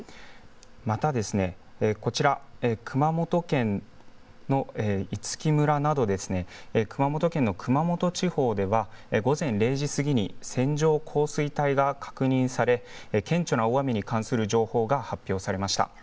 また、こちら熊本県五木村など熊本県の熊本地方では午前０時過ぎに線状降水帯が確認され、顕著な大雨に関する情報が発表されました。